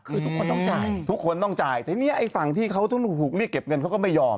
คือทุกคนต้องจ่ายทุกคนต้องจ่ายทีนี้ไอ้ฝั่งที่เขาต้องถูกเรียกเก็บเงินเขาก็ไม่ยอม